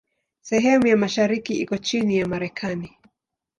Sehemu ya mashariki iko chini ya Marekani.